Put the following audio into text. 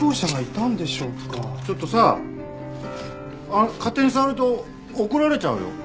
ちょっとさ勝手に触ると怒られちゃうよ。